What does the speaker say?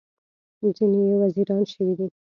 ځینې یې وزیران شوي دي.